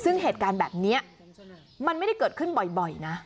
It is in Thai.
ซึ่งเหตุการณ์แบบนี้มันไม่ได้เกิดขึ้นบ่อยนะ